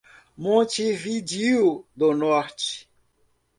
Montividiu do Norte